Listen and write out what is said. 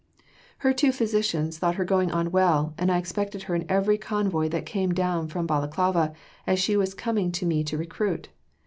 Her two physicians thought her going on well, and I expected her in every convoy that came down from Balaclava, as she was coming to me to recruit.